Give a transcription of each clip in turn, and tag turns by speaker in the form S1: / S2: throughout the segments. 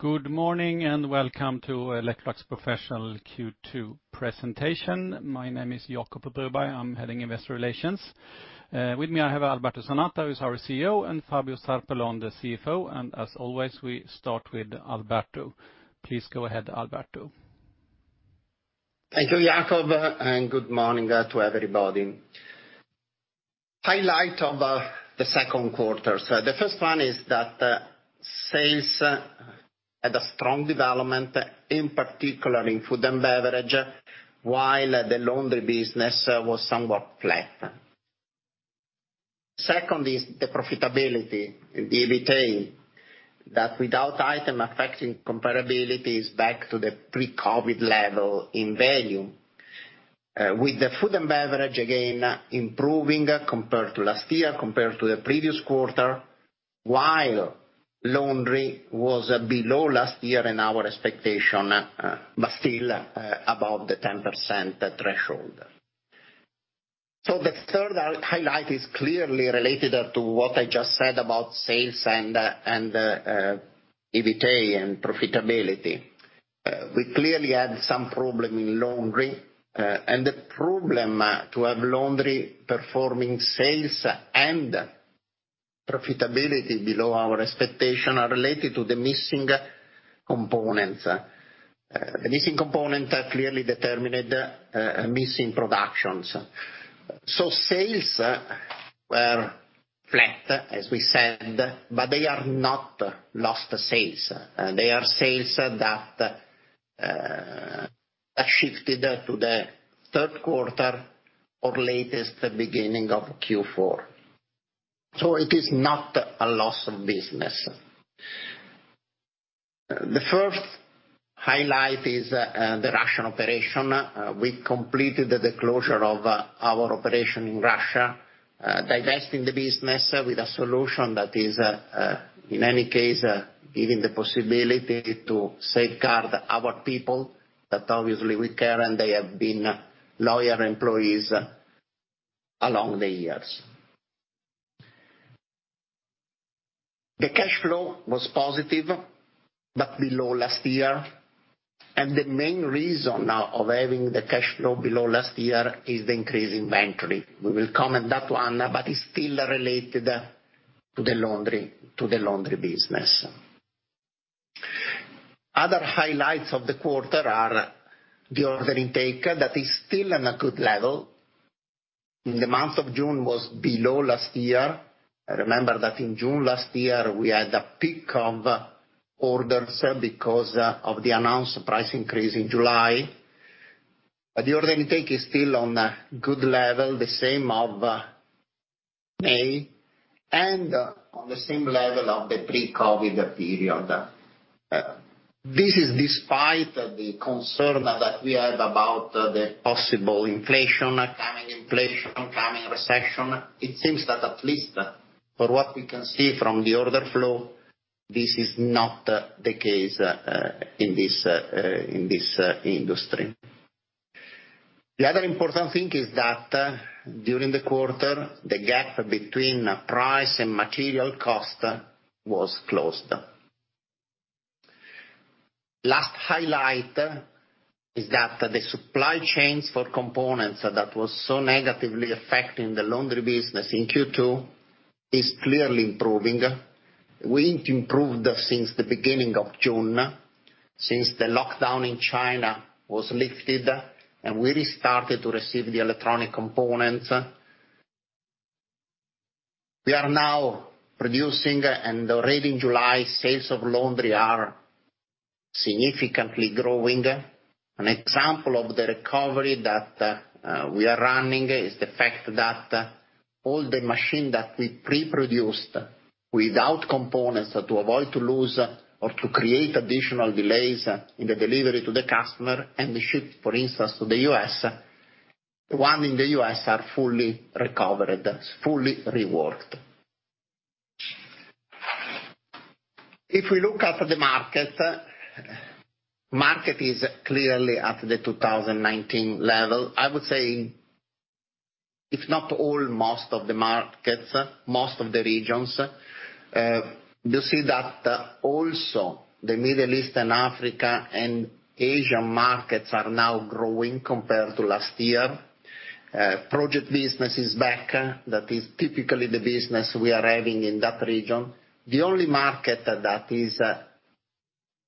S1: Good morning, and welcome to Electrolux Professional Q2 presentation. My name is Jacob Broberg, I'm heading Investor Relations. With me, I have Alberto Zanata, who's our CEO, and Fabio Zarpellon, the CFO. As always, we start with Alberto. Please go ahead, Alberto.
S2: Thank you, Jacob, and good morning to everybody. Highlight of the second quarter. The first one is that sales had a strong development, in particular in food and beverage, while the laundry business was somewhat flat. Second, is the profitability, the EBITDA, that without item affecting comparability is back to the pre-COVID level in value. With the food and beverage, again, improving compared to last year, compared to the previous quarter, while laundry was below last year and our expectation, but still, above the 10% threshold. The third highlight is clearly related to what I just said about sales and EBITDA and profitability. We clearly had some problem in laundry, and the problem to have laundry performing sales and profitability below our expectation are related to the missing components. The missing component clearly determined the missing productions. Sales were flat, as we said, but they are not lost sales. They are sales that shifted to the third quarter or, at the latest, the beginning of Q4. It is not a loss of business. The first highlight is the Russian operation. We completed the closure of our operation in Russia, divesting the business with a solution that is, in any case, giving the possibility to safeguard our people that obviously we care and they have been loyal employees along the years. The cash flow was positive, but below last year. The main reason now of having the cash flow below last year is the increase in inventory. We will comment that one, but it's still related to the Laundry business. Other highlights of the quarter are the order intake that is still in a good level. In the month of June was below last year. I remember that in June last year, we had a peak of orders because of the announced price increase in July. The order intake is still on a good level, the same of May and on the same level of the pre-COVID period. This is despite the concern that we have about the possible inflation coming, recession. It seems that at least for what we can see from the order flow, this is not the case in this industry. The other important thing is that during the quarter, the gap between price and material cost was closed. Last highlight is that the supply chains for components that was so negatively affecting the laundry business in Q2 is clearly improving. We improved since the beginning of June, since the lockdown in China was lifted, and we restarted to receive the electronic components. We are now producing and already in July, sales of laundry are significantly growing. An example of the recovery that we are running is the fact that all the machine that we pre-produced without components to avoid to lose or to create additional delays in the delivery to the customer and they ship, for instance, to the U.S. The one in the U.S. are fully recovered, fully reworked. If we look at the market, it is clearly at the 2019 level. I would say if not all, most of the markets, most of the regions, you see that, also the Middle East and Africa and Asian markets are now growing compared to last year. Project business is back. That is typically the business we are having in that region. The only market that is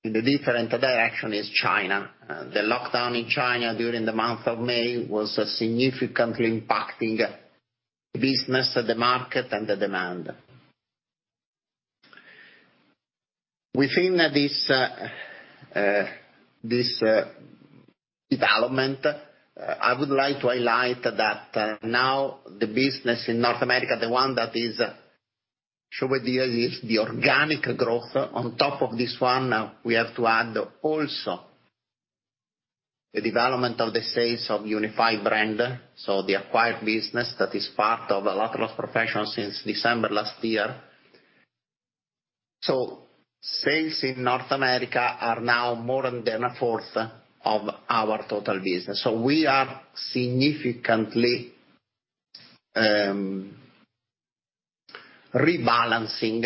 S2: in a different direction is China. The lockdown in China during the month of May was significantly impacting business, the market, and the demand. Within this development, I would like to highlight that now the business in North America, the one that is the organic growth. On top of this one, we have to add also the development of the sales of Unified Brands, so the acquired business that is part of Electrolux Professional since December last year. So sales in North America are now more than a fourth of our total business. We are significantly rebalancing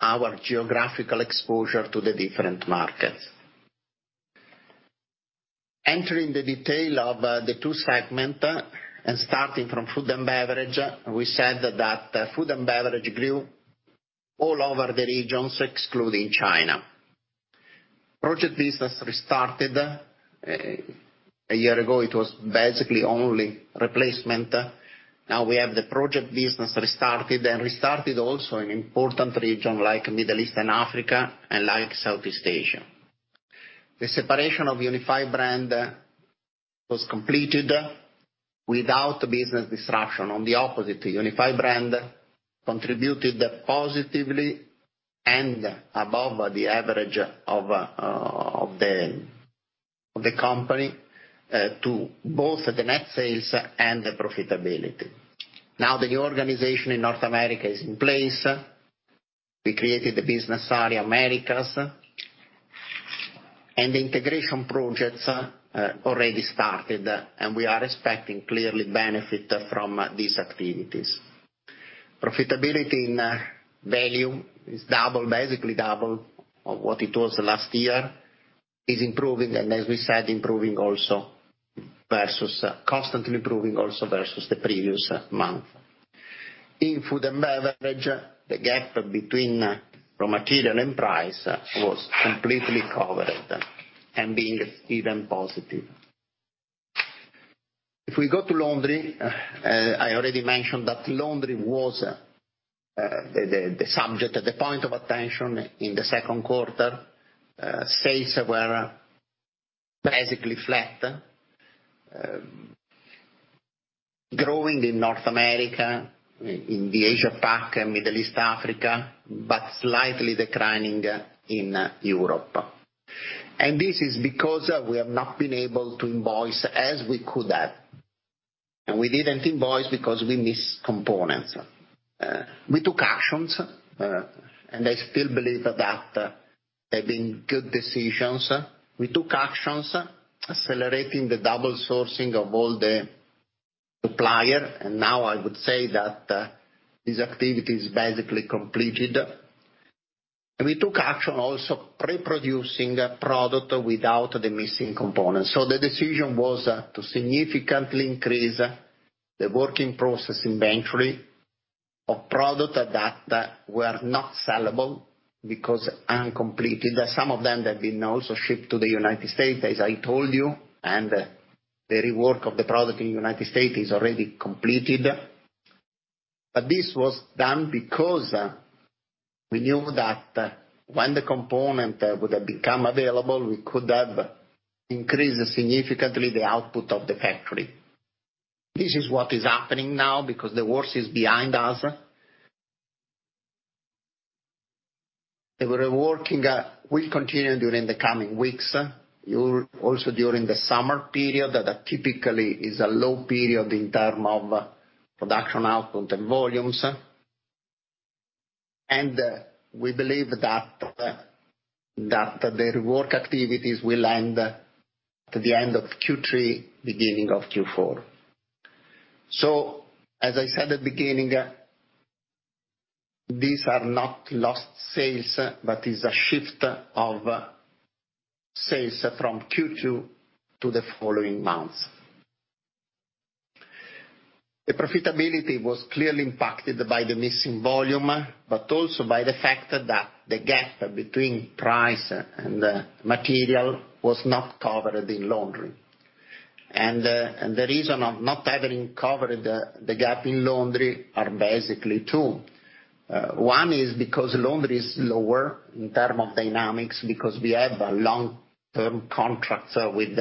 S2: our geographical exposure to the different markets. Entering the detail of the two segments, and starting from Food & Beverage, we said that Food & Beverage grew all over the regions excluding China. Project business restarted. A year ago, it was basically only replacement. Now we have the project business restarted, and restarted also in important regions like Middle East and Africa, and like Southeast Asia. The separation of Unified Brands was completed without business disruption. On the opposite, the Unified Brands contributed positively and above the average of the company to both the net sales and the profitability. Now, the new organization in North America is in place. We created the Business Area Americas. Integration projects are already started, and we are expecting clearly benefit from these activities. Profitability in value is double, basically double of what it was last year. It is improving and, as we said, improving also versus, constantly improving also versus the previous month. In Food and Beverage, the gap between raw material and price was completely covered, and being even positive. If we go to Laundry, I already mentioned that Laundry was the subject at the point of attention in the second quarter. Sales were basically flat, growing in North America, in the Asia Pac and Middle East Africa, but slightly declining in Europe. This is because we have not been able to invoice as we could have. We didn't invoice because we missed components. We took actions, and I still believe that they've been good decisions. We took actions accelerating the Dual Sourcing of all the supplier, and now I would say that this activity is basically completed. We took action also pre-producing a product without the missing components. The decision was to significantly increase the work-in-process inventory of product that were not sellable because uncompleted. Some of them have been also shipped to the United States, as I told you, and the rework of the product in United States is already completed. This was done because we knew that when the component would have become available, we could have increased significantly the output of the factory. This is what is happening now because the worst is behind us. The reworking will continue during the coming weeks. Or also during the summer period, that typically is a low period in terms of production output and volumes. We believe that the rework activities will end towards the end of Q3, beginning of Q4. So, as I said at the beginning, these are not lost sales, but it is a shift of sales from Q2 to the following months. The profitability was clearly impacted by the missing volume, but also by the fact that the gap between price and material was not covered in Laundry. And the reason of not having covered the gap in Laundry are basically two. One is because Laundry is lower in terms of dynamics because we have a long-term contract with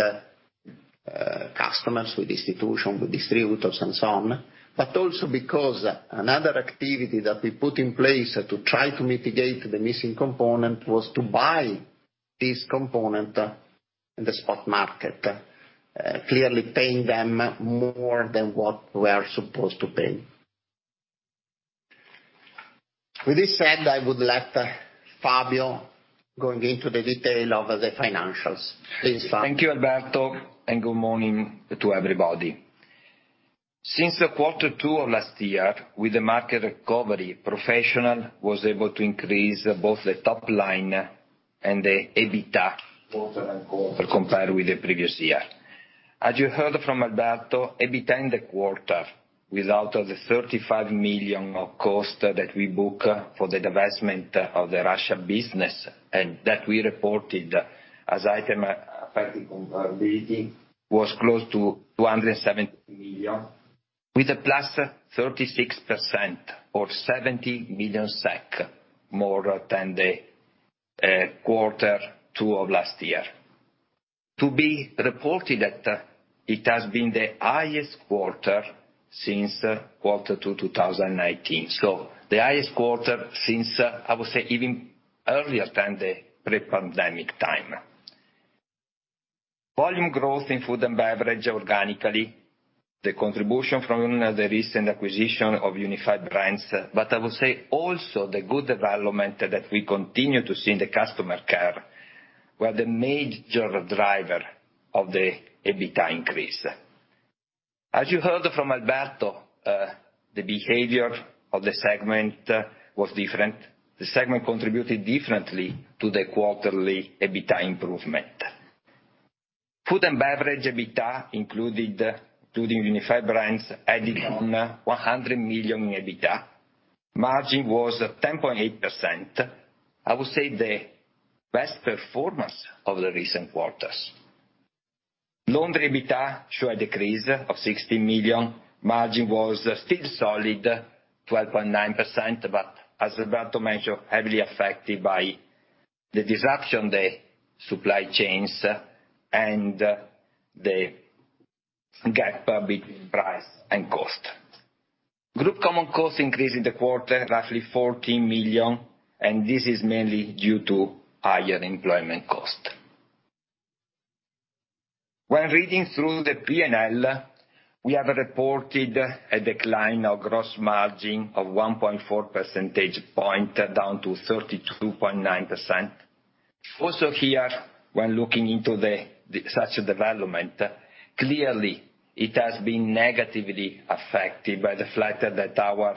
S2: customers, with institutions, with distributors and so on. also because another activity that we put in place to try to mitigate the missing component was to buy this component in the spot market, clearly paying them more than what we are supposed to pay. With this said, I would let Fabio go into the details of the financials. Please, Fabio.
S3: Thank you, Alberto, and good morning to everybody. Since quarter two of last year, with the market recovery, Professional was able to increase both the top line and the EBITDA quarter-over-quarter compared with the previous year. As you heard from Alberto, EBITDA in the quarter, without the 35 million of cost that we book for the divestment of the Russia business, and that we reported as item affecting comparability, was close to 270 million, with a +36% or 70 million SEK more than the quarter two of last year. To report that it has been the highest quarter since quarter two, 2019. The highest quarter since I would say even earlier than the pre-pandemic time. Volume growth in Food & Beverage organically, the contribution from the recent acquisition of Unified Brands, but I would say also the good development that we continue to see in Customer Care were the major driver of the EBITDA increase. As you heard from Alberto, the behavior of the segment was different. The segment contributed differently to the quarterly EBITDA improvement. Food & Beverage EBITDA included to the Unified Brands added on 100 million in EBITDA. Margin was 10.8%. I would say the best performance of the recent quarters. Laundry EBITDA show a decrease of 60 million. Margin was still solid, 12.9%, but as Alberto mentioned, heavily affected by the disruption, the supply chains, and the gap between price and cost. Group common costs increased in the quarter, roughly 14 million, and this is mainly due to higher employment cost. When reading through the P&L, we have reported a decline of gross margin of 1.4 percentage point, down to 32.9%. Also here, when looking into such development, clearly it has been negatively affected by the fact that our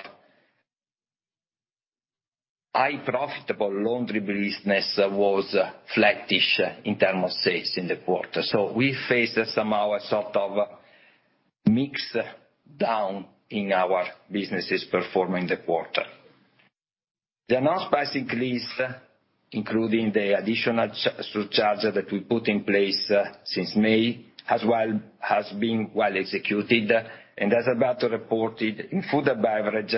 S3: highly profitable laundry business was flattish in terms of sales in the quarter. We faced somehow a sort of mix down in our businesses performing the quarter. The announced price increase, including the additional surcharge that we put in place since May, has been well executed. As Alberto reported, in Food & Beverage,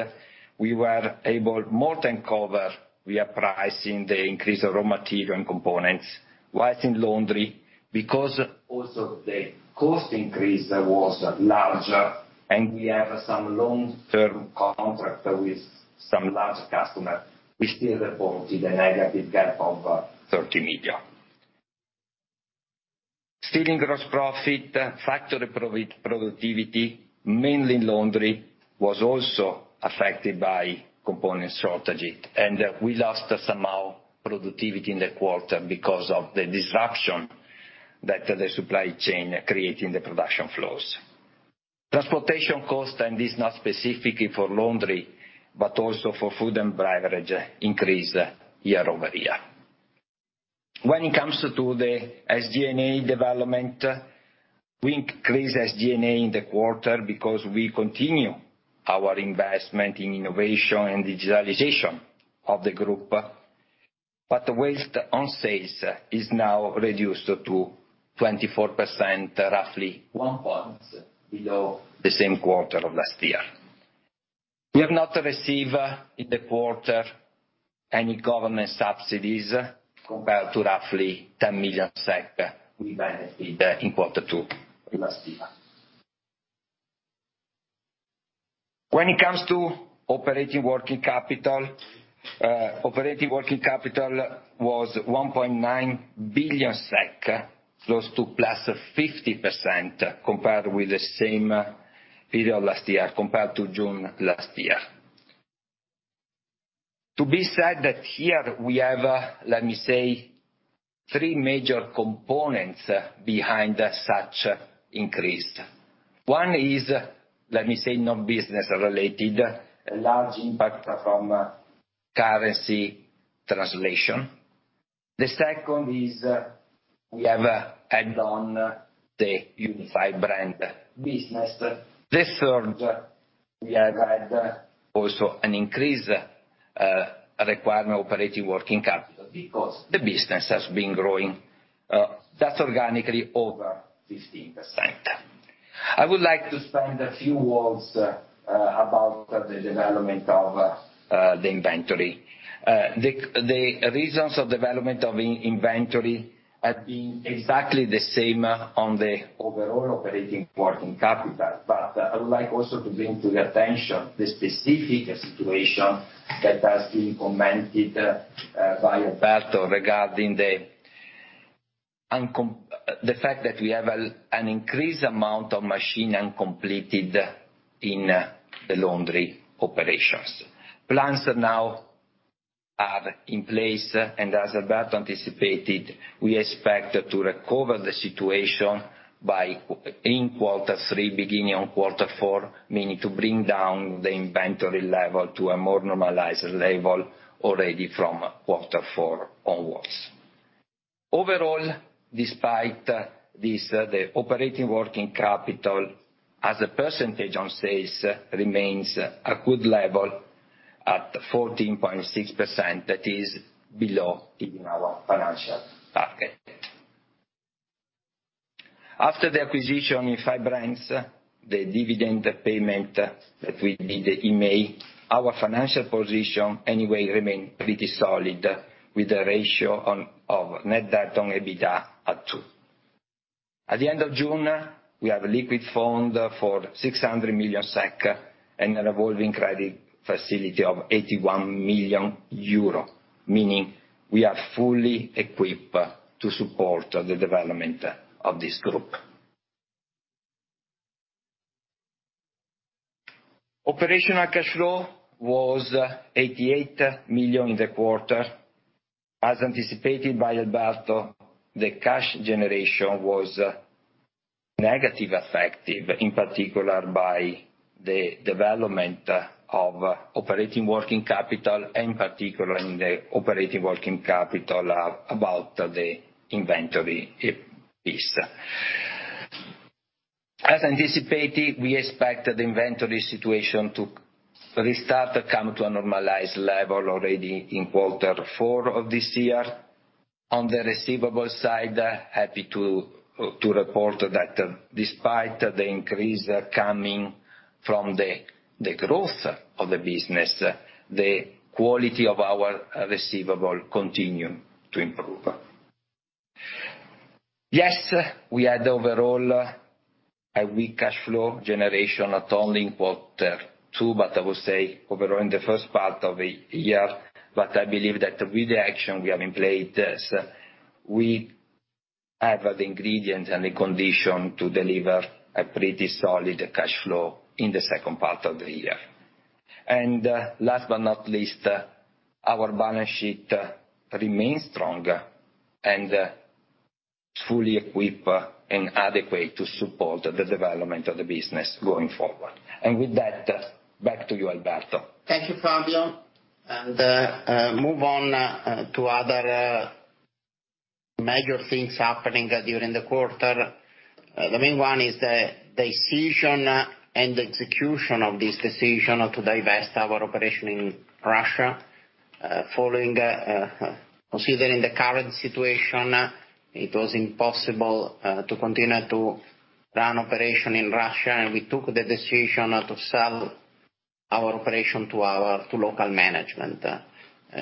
S3: we were able to more than cover the increase of raw material and components, while in Laundry, because also the cost increase was larger and we have some long-term contract with some large customer, we still reported a negative gap of 30 million. Gross profit, factory productivity, mainly Laundry, was also affected by component strategy, and we lost some productivity in the quarter because of the disruption that the supply chain create in the production flows. Transportation cost, and this is not specifically for Laundry, but also for Food & Beverage, increased year-over-year. When it comes to the SG&A development, we increased SG&A in the quarter because we continue our investment in innovation and digitalization of the group. As a percent of sales is now reduced to 24%, roughly one point below the same quarter of last year. We have not received in the quarter any government subsidies compared to roughly 10 million SEK we benefited in quarter two of last year. When it comes to operating working capital, operating working capital was 1.9 billion SEK, close to +50% compared with the same period of last year, compared to June last year. To be said that here we have, let me say, three major components behind such increase. One is, let me say, not business related, a large impact from currency translation. The second is we have added on the Unified Brands business. The third, we have had also an increase requirement operating working capital because the business has been growing, that's organically over 15%. I would like to spend a few words about the development of the inventory. The reasons of development of inventory have been exactly the same on the overall operating working capital. I would like also to bring to your attention the specific situation that has been commented by Alberto regarding the fact that we have an increased amount of machine uncompleted in the laundry operations. Plans now are in place, and as Alberto anticipated, we expect to recover the situation by in quarter three, beginning on quarter four, meaning to bring down the inventory level to a more normalized level already from quarter four onwards. Overall, despite this, the operating working capital as a percentage on sales remains a good level at 14.6%, that is below our financial target. After the acquisition, Unified Brands, the dividend payment that we did in May, our financial position anyway remain pretty solid with a ratio on of net debt to EBITDA at two. At the end of June, we have liquid funds of 600 million SEK and a revolving credit facility of 81 million euro, meaning we are fully equipped to support the development of this group. Operational cash flow was 88 million in the quarter. As anticipated by Alberto, the cash generation was negatively affected, in particular by the development of Operating Working Capital, about the inventory piece. As anticipated, we expect the inventory situation to restart to come to a normalized level already in quarter four of this year. On the receivable side, happy to report that despite the increase are coming from the growth of the business, the quality of our receivables continue to improve. Yes, we had overall a weak cash flow generation, not only in quarter two, but I would say overall in the first part of the year. But I believe that with the action we have in place, we have the ingredient and the condition to deliver a pretty solid cash flow in the second part of the year. And last but not least, our balance sheet remains strong and fully equipped and adequate to support the development of the business going forward. With that, back to you, Alberto.
S2: Thank you, Fabio. Move on to other major things happening during the quarter. The main one is the decision and execution of this decision to divest our operation in Russia, following the, considering the current situation, it was impossible to continue to run operation in Russia. We took the decision to sell our operation to our local management.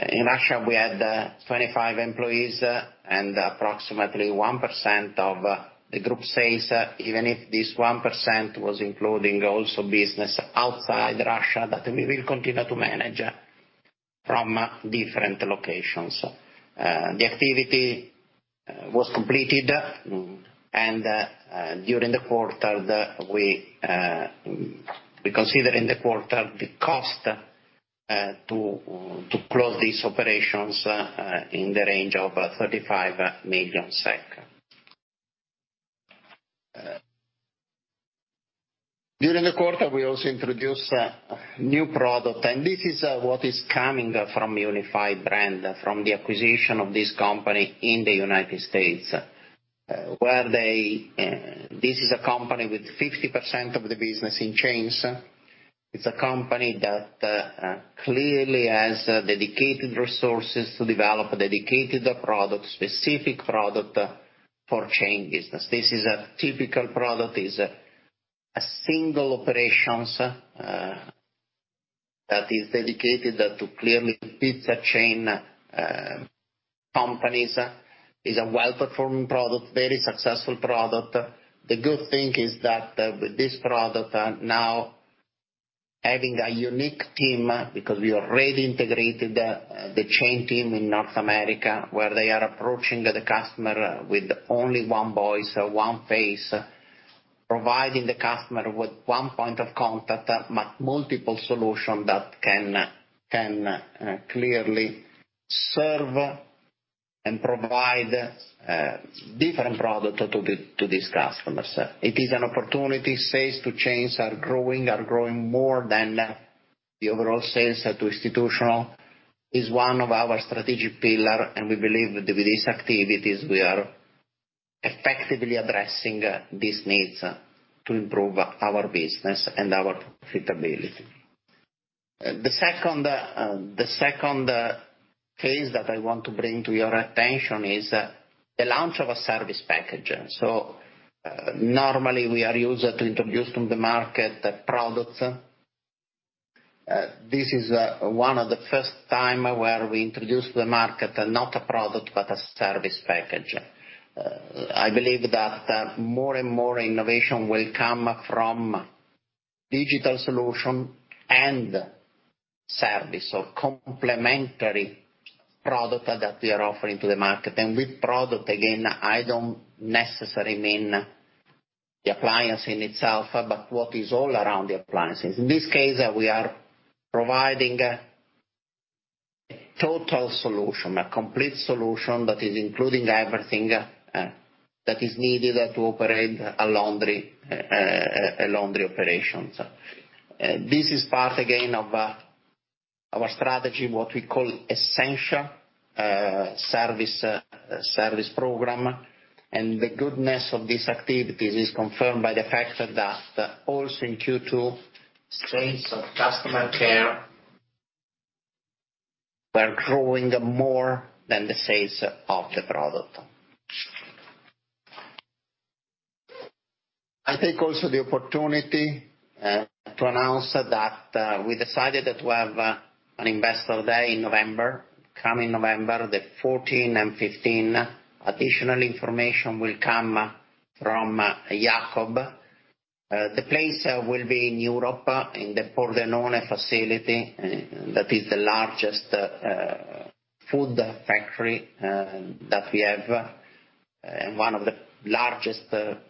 S2: In Russia, we had 25 employees and approximately 1% of the group sales, even if this 1% was including also business outside Russia that we will continue to manage from different locations. The activity was completed and during the quarter that we consider in the quarter the cost to close these operations in the range of 35 million SEK. During the quarter, we also introduced a new product, and this is what is coming from Unified Brands, from the acquisition of this company in the United States, where they. This is a company with 50% of the business in chains. It's a company that clearly has dedicated resources to develop dedicated product, specific product for chain business. This is a typical product, is a single operations, that is dedicated to clearly pizza chain, companies. Is a well-performing product, very successful product. The good thing is that with this product are now having a unique team, because we already integrated the chain team in North America, where they are approaching the customer with only one voice, one face, providing the customer with one point of contact, multiple solution that can clearly serve and provide different product to these customers. It is an opportunity. Sales to chains are growing more than the overall sales to institutional. It is one of our strategic pillar, and we believe with these activities we are effectively addressing these needs to improve our business and our profitability. The second case that I want to bring to your attention is the launch of a service package. So, normally we are used to introduce to the market products. This is one of the first time where we introduce the market not a product, but a service package. I believe that more and more innovation will come from digital solution and service. Complementary product that we are offering to the market. With product, again, I don't necessarily mean the appliance in itself, but what is all around the appliances. In this case, we are providing a total solution, a complete solution that is including everything that is needed to operate a laundry operation. This is part again of our strategy, what we call Essential Service program. The goodness of these activities is confirmed by the fact that also in Q2, sales of Customer Care were growing more than the sales of the product. I take also the opportunity to announce that we decided to have an investor day in November, coming November, the 14th and 15th. Additional information will come from Jacob. The place will be in Europe, in the Pordenone facility. That is the largest food factory that we have. One of the largest food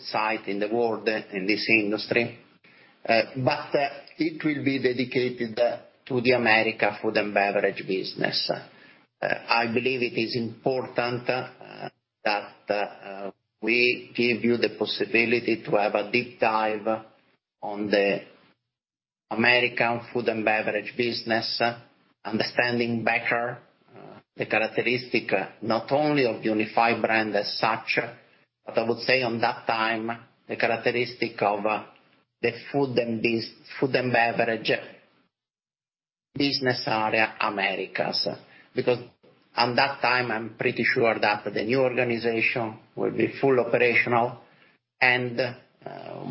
S2: site in the world in this industry. But it will be dedicated to the American food and beverage business. I believe it is important that we give you the possibility to have a deep dive on the American food and beverage business. Understanding better the characteristic not only of Unified Brands as such, but I would say on that time, the characteristic of the food and food and beverage Business Area Americas. Because at that time, I'm pretty sure that the new organization will be fully operational, and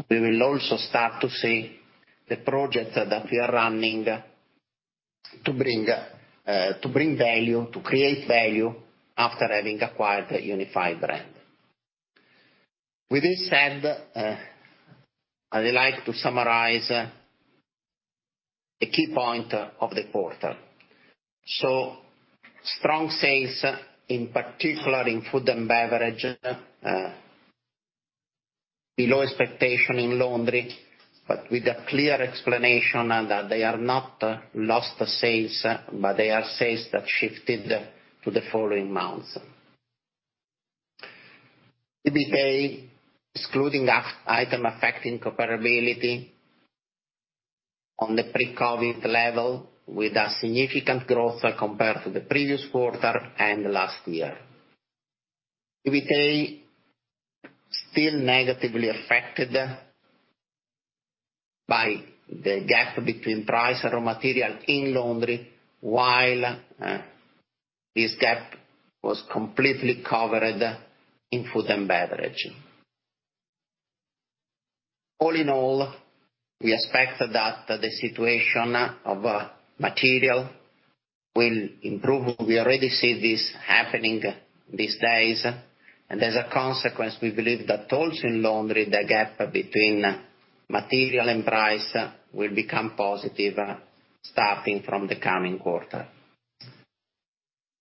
S2: we will also start to see the projects that we are running to bring value, to create value after having acquired the Unified Brands. With this said, I would like to summarize the key point of the quarter. Strong sales, in particular in Food & Beverage, below expectation in Laundry, but with a clear explanation that they are not lost sales, but they are sales that shifted to the following months. EBITDA excluding the item affecting comparability on the pre-COVID level with a significant growth compared to the previous quarter and last year. EBITDA still negatively affected by the gap between price and raw material in Laundry, while this gap was completely covered in Food & Beverage. All in all, we expect that the situation of material will improve. We already see this happening these days. As a consequence, we believe that also in laundry, the gap between material and price will become positive starting from the coming quarter.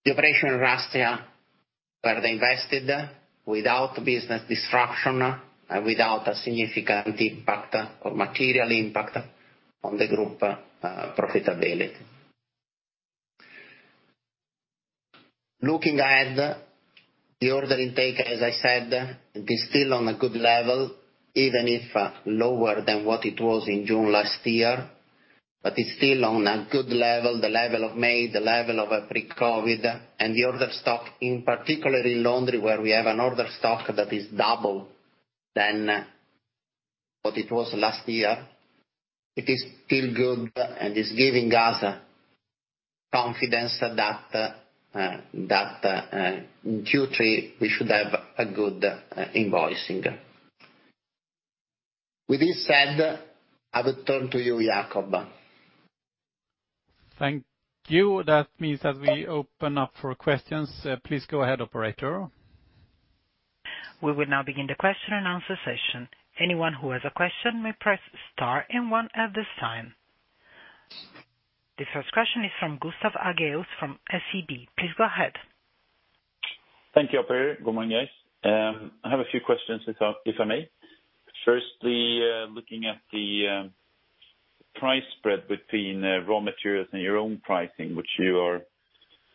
S2: The operations in Russia where they invested without business disruption and without a significant impact or material impact on the group profitability. Looking ahead, the order intake, as I said, it is still on a good level, even if lower than what it was in June last year, but it's still on a good level, the level of May, the level of pre-COVID. The order stock, in particular in laundry, where we have an order stock that is double than what it was last year. It is still good, and it's giving us confidence that in Q3, we should have a good invoicing. With this said, I will turn to you, Jacob.
S1: Thank you. That means that we open up for questions. Please go ahead, operator.
S4: We will now begin the question and answer session. Anyone who has a question may press star and one at this time. The first question is from Gustav Hagéus, from SEB. Please go ahead.
S5: Thank you, operator. Good morning. I have a few questions if I may. Firstly, looking at the price spread between raw materials and your own pricing, which you are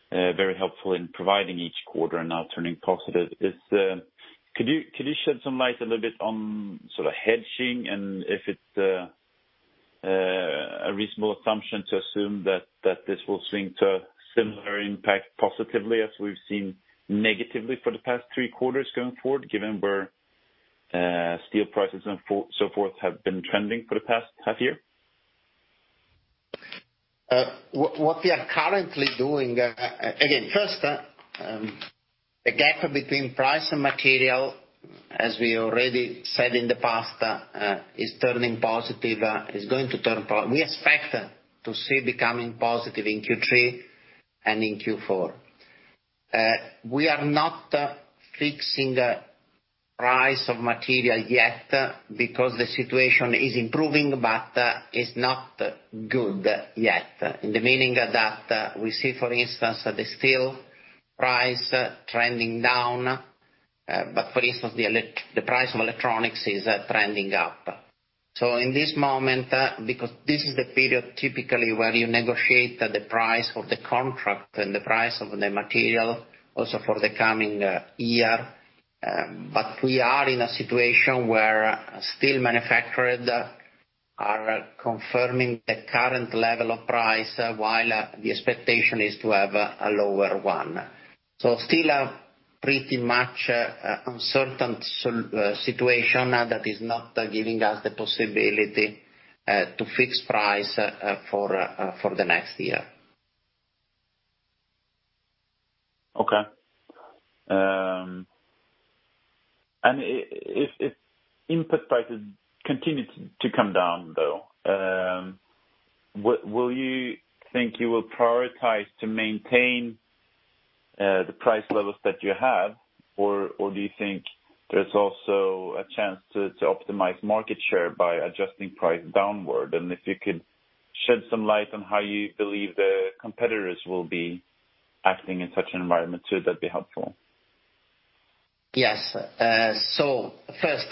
S5: very helpful in providing each quarter and now turning positive. Could you shed some light a little bit on sort of hedging and if it's a reasonable assumption to assume that this will swing to similar impact positively as we've seen negatively for the past three quarters going forward, given where steel prices and so forth have been trending for the past half year?
S2: What we are currently doing, again, first, the gap between price and material, as we already said in the past, is turning positive, we expect to see becoming positive in Q3 and in Q4. We are not fixing price of material yet because the situation is improving, but it's not good yet. In the meantime, we see, for instance, the steel price trending down, but for instance, the price of electronics is trending up. So, in this moment, because this is the period typically where you negotiate the price of the contract and the price of the material also for the coming year, but we are in a situation where steel manufacturers are confirming the current level of price, while the expectation is to have a lower one. Still a pretty much uncertain situation that is not giving us the possibility to fix price for the next year.
S5: Okay. If input prices continue to come down, though, will you think you will prioritize to maintain the price levels that you have, or do you think there's also a chance to optimize market share by adjusting price downward? If you could shed some light on how you believe the competitors will be acting in such an environment too. That'd be helpful.
S2: Yes. So, first,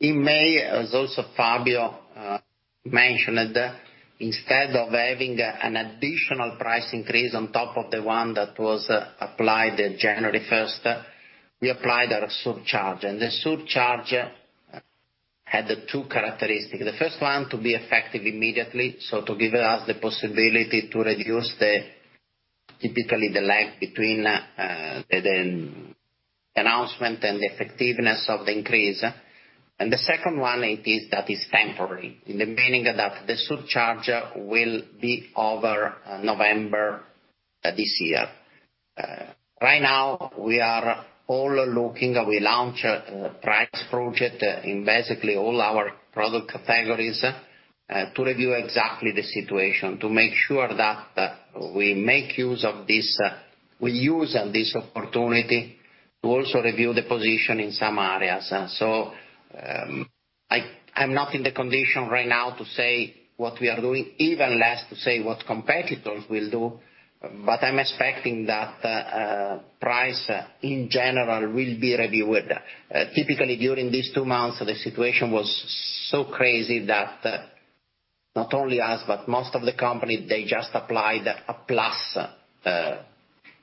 S2: in May, as also Fabio mentioned, instead of having an additional price increase on top of the one that was applied in January first, we applied a surcharge, and the surcharge had two characteristics. The first one to be effective immediately, so to give us the possibility to reduce typically the lag between the announcement and the effectiveness of the increase. The second one is that it is temporary. In the meaning that the surcharge will be over November this year. Right now we are all looking. We launch a price project in basically all our product categories to review exactly the situation, to make sure that, we make sure of this that we use this opportunity to also review the position in some areas. I'm not in the condition right now to say what we are doing, even less to say what competitors will do, but I'm expecting that price in general will be reviewed. Typically during these two months, the situation was so crazy that not only us, but most of the companies, they just applied a plus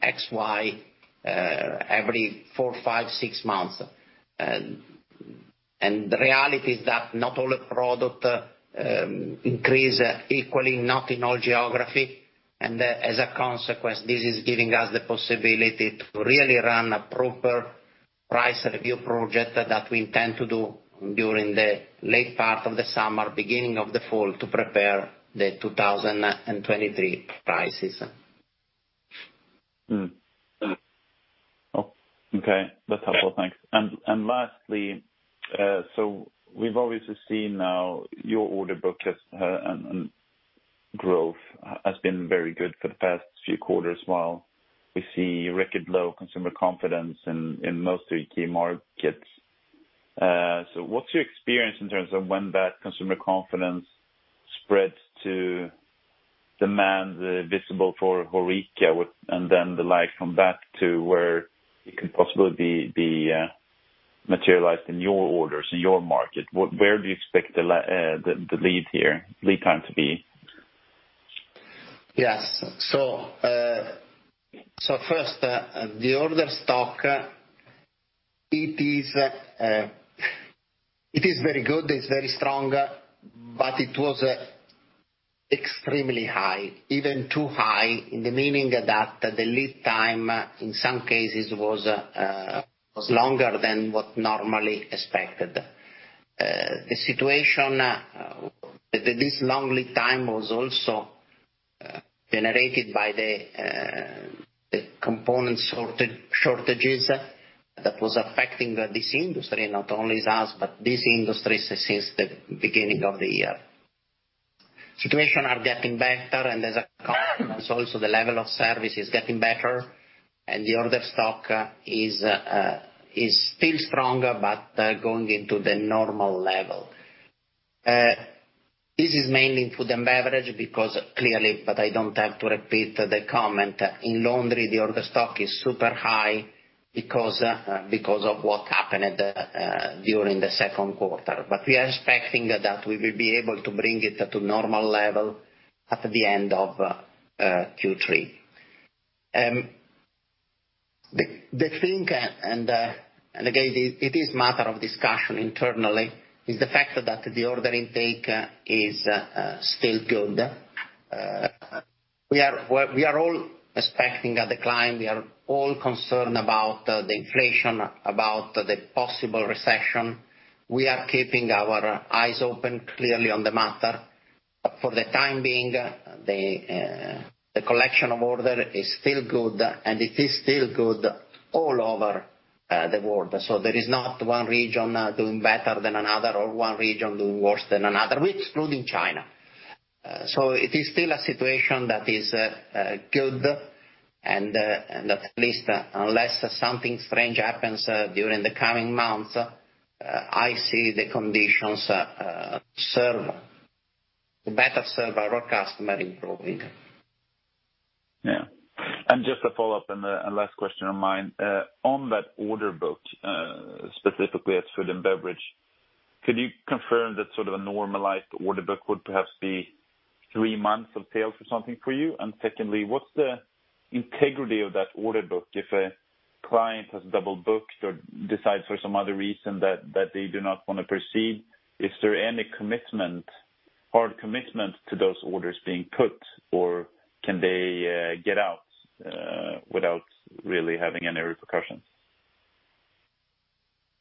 S2: XY every four, five, six months. The reality is that not all the product increase equally, not in all geography. As a consequence, this is giving us the possibility to really run a proper price review project that we intend to do during the late part of the summer, beginning of the fall, to prepare the 2023 prices.
S5: Oh, okay. That's helpful. Thanks. Lastly, so we've obviously seen now your order book has and growth has been very good for the past few quarters while we see record low consumer confidence in most of your key markets. What's your experience in terms of when that consumer confidence spreads to demand visible for HoReCa with and then the lag from that to where it could possibly be materialized in your orders in your market? Where do you expect the lead here, lead time to be?
S2: Yes. So, first the order stock, it is very good, it's very strong, but it was extremely high, even too high, in the meaning that the lead time in some cases was longer than what normally expected. The situation, this long lead time was also generated by the component shortages that was affecting this industry, not only us, but this industry since the beginning of the year. Situation are getting better, and as a consequence, also the level of service is getting better and the order stock is still stronger but going into the normal level. This is mainly food and beverage because clearly, but I don't have to repeat the comment. In Laundry, the order stock is super high because of what happened of the during the second quarter. We are expecting that we will be able to bring it to normal level at the end of Q3. Again, it is a matter of discussion internally, is the fact that the order intake is still good. We are all expecting a decline. We are all concerned about the inflation, about the possible recession. We are keeping our eyes open, clearly on the matter. For the time being, the collection of orders is still good, and it is still good all over the world. There is not one region doing better than another or one region doing worse than another. We're excluding China. It is still a situation that is good, and at least unless something strange happens during the coming months, I see the conditions better serve our customer improving.
S5: Yeah. Just a follow-up and last question of mine. On that order book, specifically at food and beverage, can you confirm that sort of a normalized order book would perhaps be three months of sales or something for you? Secondly, what's the integrity of that order book? If a client has double-booked or decides for some other reason that they do not want to proceed, is there any commitment, hard commitment to those orders being put or can they get out without really having any repercussions?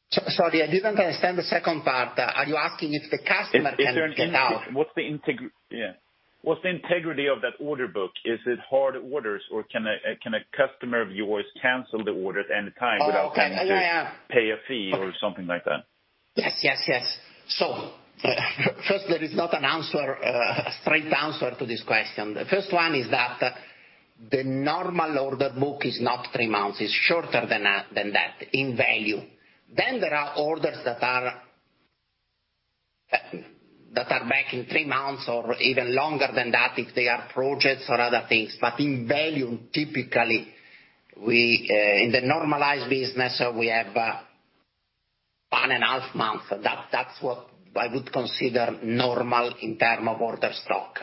S2: Sorry, I didn't understand the second part. Are you asking if the customer can get out?
S5: Yeah. What's the integrity of that order book? Is it hard orders, or can a customer of yours cancel the order at any time without-
S2: Oh, okay. Yeah, yeah.
S5: Having to pay a fee or something like that?
S2: Yes, yes. First, there is not a straight answer to this question. The first one is that the normal order book is not three months, it's shorter than that in value. There are orders that are back in three months or even longer than that if they are projects or other things. In value, typically, we in the normalized business, we have one and a half months. That's what I would consider normal in terms of order stock.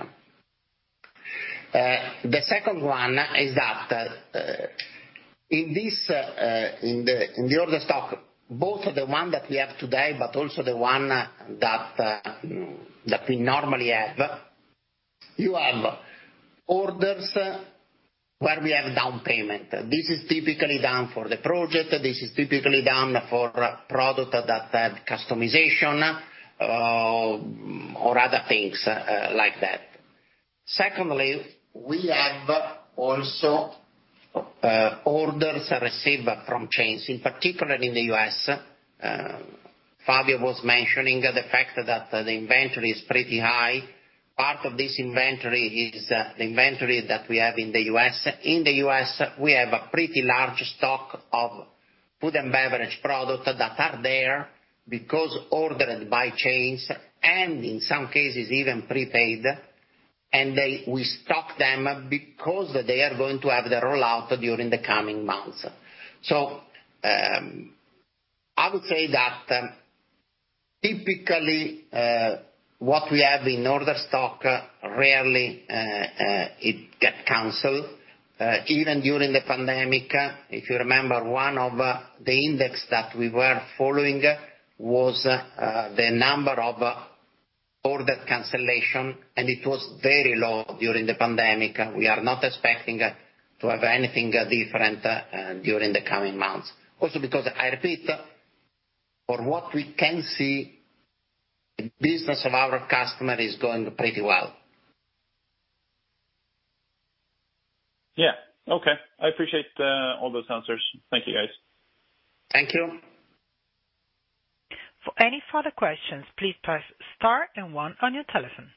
S2: The second one is that in this, in the order stock, both the one that we have today, but also the one that we normally have, you have orders where we have down payment. This is typically done for the project. This is typically done for product that had customization or other things like that. Secondly, we have also orders received from chains, in particular in the U.S. Fabio was mentioning the fact that the inventory is pretty high. Part of this inventory is the inventory that we have in the U.S. In the U.S., we have a pretty large stock of food and beverage product that are there because ordered by chains, and in some cases even prepaid. And we stock them because they are going to have the rollout during the coming months. So I would say that typically what we have in order stock rarely it get canceled. Even during the pandemic, if you remember, one of the index that we were following was the number of order cancellation, and it was very low during the pandemic. We are not expecting to have anything different during the coming months. Also because, I repeat, for what we can see, the business of our customer is going pretty well.
S5: Yeah. Okay. I appreciate all those answers. Thank you, guys.
S2: Thank you.
S4: For any further questions, please press star and one on your telephone.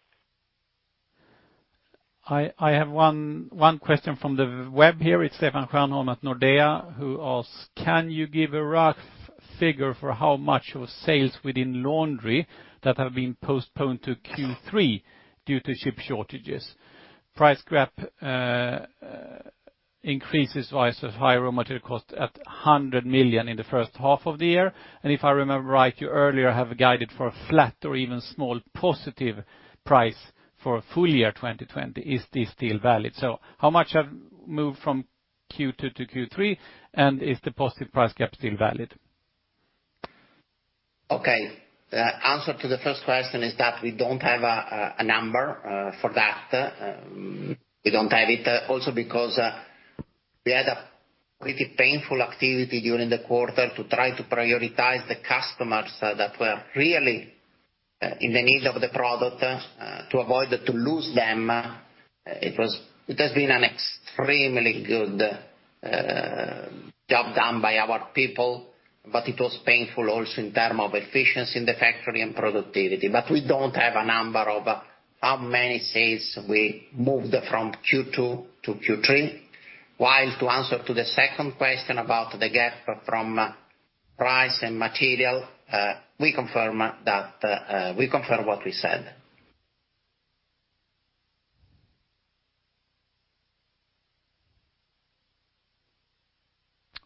S6: I have one question from the web here. It's Stefan Kvernholm at Nordea, who asks: Can you give a rough figure for how much of sales within laundry that have been postponed to Q3 due to chip shortages? Price gap increases versus higher raw material cost at 100 million in the first half of the year. If I remember right, you earlier have guided for a flat or even small positive price for full year 2020. Is this still valid? How much have moved from Q2 to Q3? And is the positive price gap still valid?
S2: Okay. Answer to the first question is that we don't have a number for that. We don't have it also because we had a pretty painful activity during the quarter to try to prioritize the customers that were really in need of the product to avoid to lose them. It has been an extremely good job done by our people, but it was painful also in terms of efficiency in the factory and productivity. We don't have a number of how many sales we moved from Q2 to Q3. While to answer to the second question about the gap from price and material, we confirm that, we confirm what we said.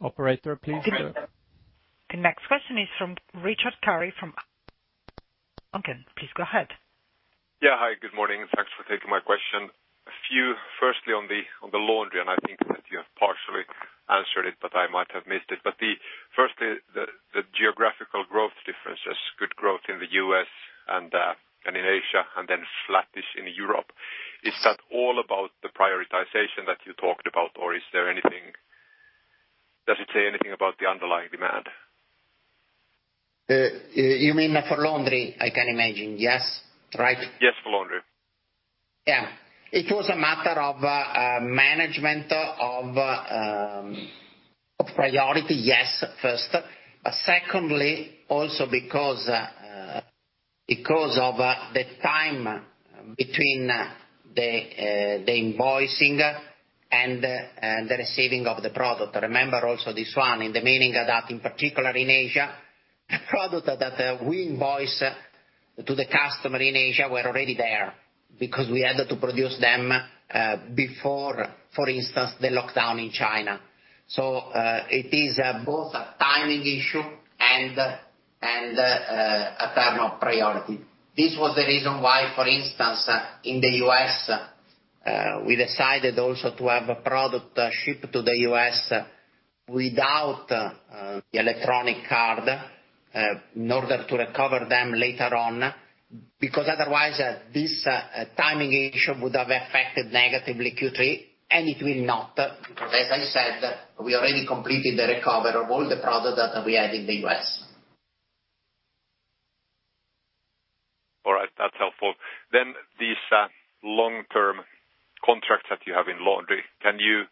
S1: Operator, please.
S4: The next question is from Richard Curry from Duncan. Please go ahead.
S7: Hi, good morning. Thanks for taking my question. A few firstly on the laundry, and I think that you have partially answered it, but I might have missed it. Firstly, the geographical growth differences, good growth in the U.S. and in Asia and then flattish in Europe. Is that all about the prioritization that you talked about or is there anything? Does it say anything about the underlying demand?
S2: You mean for Laundry, I can imagine. Yes. Right?
S7: Yes, for Laundry.
S2: Yeah. It was a matter of management of priority, yes, first. Secondly, also because of the time between the invoicing and the receiving of the product. Remember also this one in the meantime that in particular in Asia, the product that we invoice to the customer in Asia were already there because we had to produce them before, for instance, the lockdown in China. It is both a timing issue and in terms of priority. This was the reason why, for instance, in the US, we decided also to have a product shipped to the US without the electronic card in order to recover them later on. Because otherwise this timing issue would have affected negatively Q3, and it will not. Because as I said, we already completed the recovery of all the product that we had in the U.S.
S7: All right. That's helpful. Then these long-term contracts that you have in Laundry, can you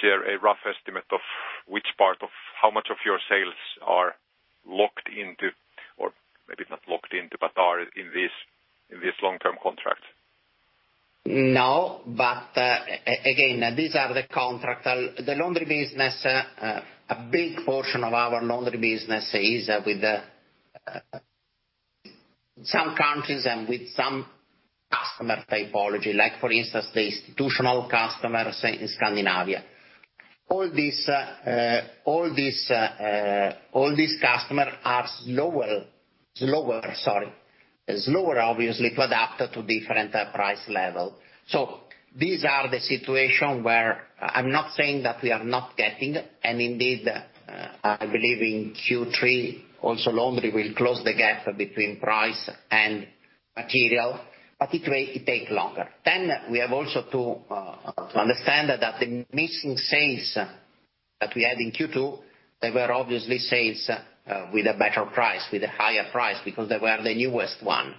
S7: share a rough estimate of which part of how much of your sales are locked into, or maybe not locked into, but are in this long-term contract?
S2: No, but, again, these are the contract. The Laundry business, a big portion of our Laundry business is with some countries and with some customer typology, like for instance, the institutional customer, say, in Scandinavia. All these customers are slower, sorry, slower, obviously, to adapt to different price level. So, these are the situation where I'm not saying that we are not getting, and indeed, I believe in Q3 also Laundry will close the gap between price and material, but it may take longer. Then we have also to understand that the missing sales that we had in Q2, they were obviously sales with a better price, with a higher price, because they were the newest one.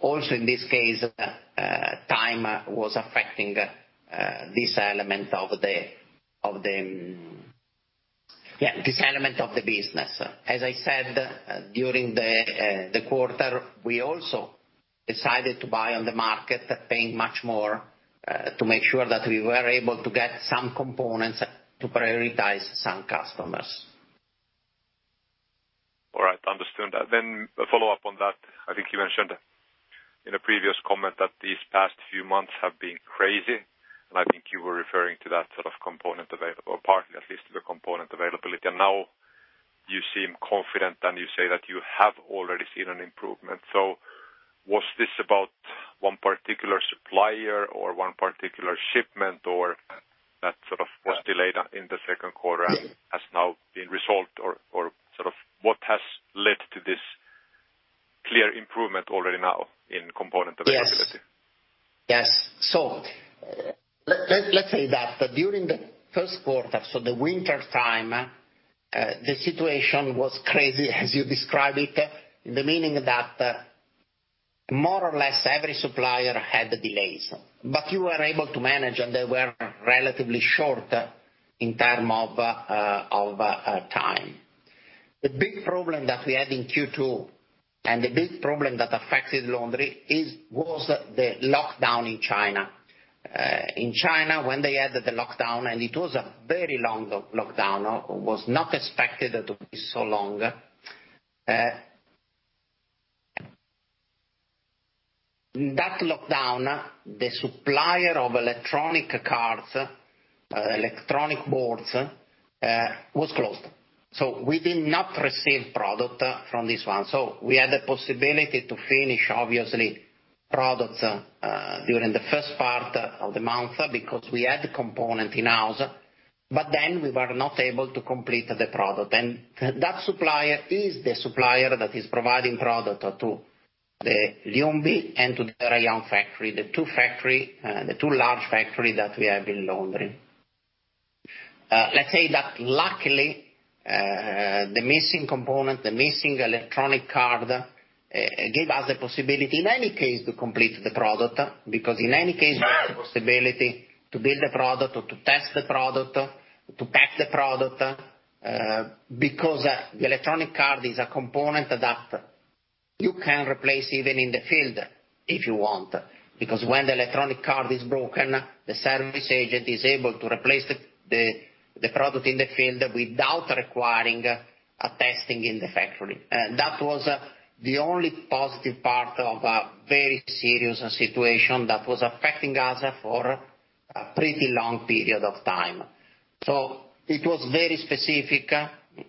S2: Also in this case, time was affecting this element of the business. As I said, during the quarter, we also decided to buy on the market, paying much more, to make sure that we were able to get some components to prioritize some customers.
S7: All right, understood. A follow-up on that, I think you mentioned in a previous comment that these past few months have been crazy, and I think you were referring to that sort of component available, or partly at least, the component availability. Now you seem confident, and you say that you have already seen an improvement. Was this about one particular supplier or one particular shipment or that sort of was delayed in the second quarter and has now been resolved? Or sort of what has led to this clear improvement already now in component availability?
S2: Yes. Let's say that during the first quarter, so the winter time, the situation was crazy, as you describe it, meaning that more or less every supplier had delays. You were able to manage, and they were relatively short in terms of time. The big problem that we had in Q2 and the big problem that affected Laundry was the lockdown in China. In China, when they had the lockdown, and it was a very long lockdown, was not expected to be so long, that lockdown, the supplier of electronic cards, electronic boards, was closed. We did not receive product from this one. We had the possibility to finish obviously products during the first part of the month because we had the component in-house, but then we were not able to complete the product. That supplier is the supplier that is providing product to the Ljungby and to the Rayong factory, the two factory, the two large factory that we have in Laundry. Let's say that luckily, the missing component, the missing electronic card, gave us a possibility in any case to complete the product, because in any case, the possibility to build a product or to test the product, to pack the product, because the electronic card is a component that you can replace even in the field, if you want. Because when the electronic card is broken, the service agent is able to replace the product in the field without requiring a testing in the factory. That was the only positive part of a very serious situation that was affecting us for a pretty long period of time. So it was very specific.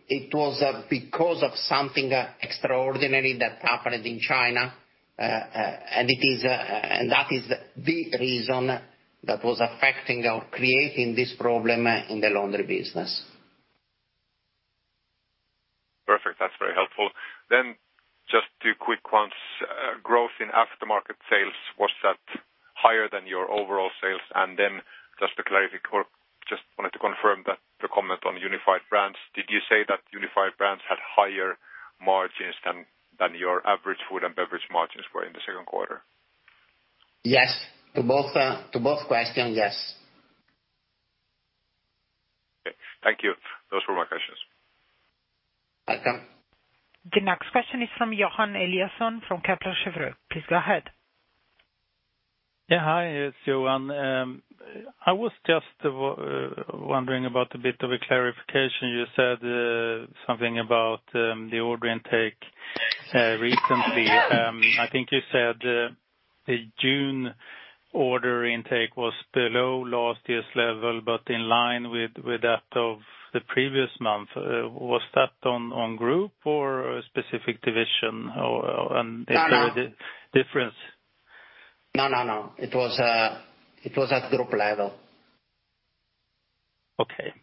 S2: It was because of something extraordinary that happened in China. That is the reason that was affecting or creating this problem in the Laundry business.
S7: Perfect. That's very helpful. Just two quick ones. Growth in aftermarket sales, was that higher than your overall sales? Just to clarify, just wanted to confirm that the comment on Unified Brands, did you say that Unified Brands had higher margins than your average Food and Beverage margins were in the second quarter?
S2: Yes. To both questions, yes.
S7: Okay. Thank you. Those were my questions.
S2: Welcome.
S4: The next question is from Johan Eliason from Kepler Cheuvreux. Please go ahead.
S8: Yeah. Hi, it's Johan. I was just wondering about a bit of a clarification. You said something about the order intake recently. I think you said the June order intake was below last year's level, but in line with that of the previous month. It was that on group or a specific division or and if there was a difference?
S2: No, no. It was at group level.
S8: Okay.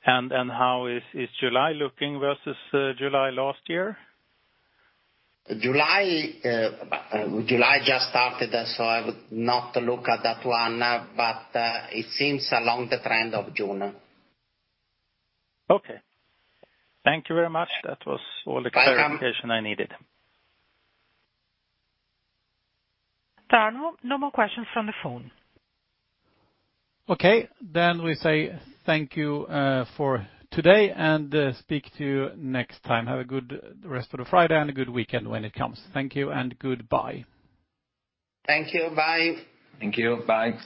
S8: How is July looking versus July last year?
S2: July just started, so I would not look at that one, but it seems along the trend of June.
S8: Okay. Thank you very much. That was all the clarification I needed.
S4: There are no more questions from the phone.
S3: Okay. We say thank you for today and speak to you next time. Have a good rest of the Friday and a good weekend when it comes. Thank you and goodbye.
S2: Thank you. Bye.
S7: Thank you. Bye.